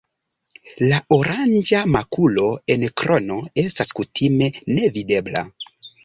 La oranĝa makulo en krono estas kutime nevidebla.